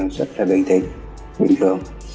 rất là bình thịnh bình thường